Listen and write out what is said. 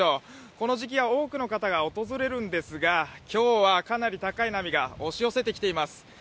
この時期は多くの方が訪れるんですが、今日はかなり高い波が押し寄せてきています。